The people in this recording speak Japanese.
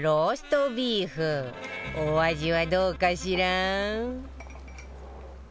お味はどうかしら？